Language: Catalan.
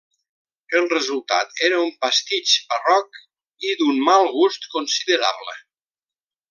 El resultat era un pastitx barroc i d'un mal gust considerable.